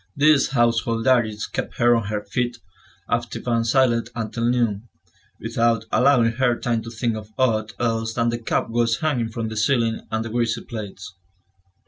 These household duties kept her on her feet, active and silent, until noon, without allowing her time to think of aught else than the cobwebs hanging from the ceiling and the greasy plates.